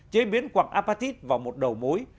chế biến quảng apatit vào một đầu mối